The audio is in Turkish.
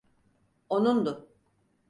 Onundu.